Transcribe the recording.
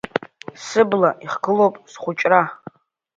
Сыбла ихгылоуп схәыҷра.